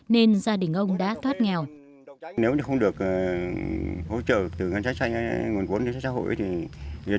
nên gia đình ông đã thoát nghèo